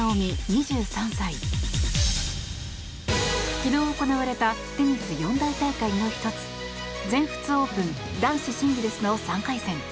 昨日行われたテニス四大大会の１つ全仏オープン男子シングルスの３回戦。